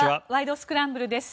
スクランブル」です。